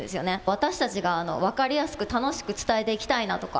私たちが分かりやすく楽しく、伝えていきたいなとか。